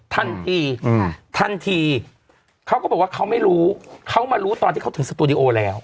ทันทีอืมทันทีทันทีเขาก็บอกว่าเขาไม่รู้เขามารู้ตอนที่เขาถึงสตูดิโอแล้ว